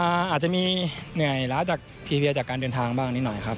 อาจจะมีเหนื่อยล้าจากทีเรียจากการเดินทางบ้างนิดหน่อยครับ